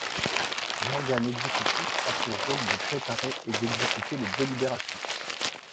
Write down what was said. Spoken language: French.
L’organe exécutif a pour rôle de préparer et d’exécuter les délibérations.